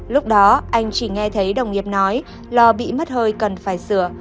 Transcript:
lúc đó anh chỉ nghe thấy đồng nghiệp nói lò bị mất hơi cần phải sửa